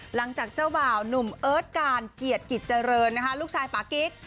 หลังจากเจ้าบ่าวหนุ่มเอิร์ทการเกียรติกิจเจริญนะคะลูกชายปากิ๊ก